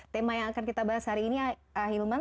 tema yang akan kita bahas hari ini ahilman